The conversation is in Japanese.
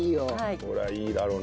これはいいだろうね。